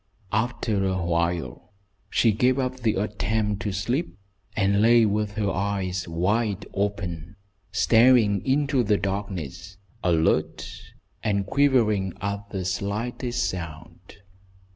After awhile she gave up the attempt to sleep, and lay with her eyes wide open, staring into the darkness, alert, and quivering at the slightest sound.